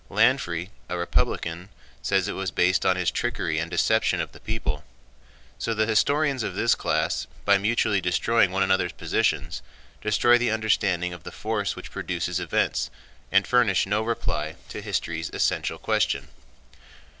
Lanfrey, a Republican, says it was based on his trickery and deception of the people. So the historians of this class, by mutually destroying one another's positions, destroy the understanding of the force which produces events, and furnish no reply to history's essential question.